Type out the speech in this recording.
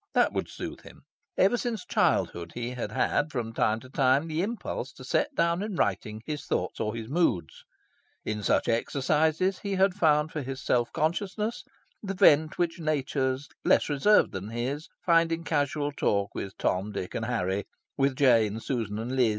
That would soothe him. Ever since childhood he had had, from time to time, the impulse to set down in writing his thoughts or his moods. In such exercises he had found for his self consciousness the vent which natures less reserved than his find in casual talk with Tom, Dick and Harry, with Jane, Susan, and Liz.